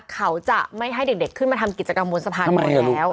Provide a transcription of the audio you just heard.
เขาจะไม่ให้เด็กขึ้นมาทำกิจกรรมบนสะพานก่อนแล้ว